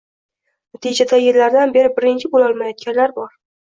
Natijada yillardan beri birinchi bo‘lolmayotganlar bor.